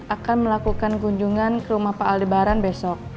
akan melakukan kunjungan ke rumah pak aldebaran besok